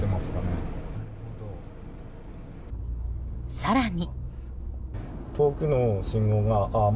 更に。